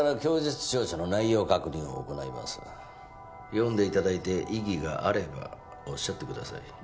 読んでいただいて異議があればおっしゃってください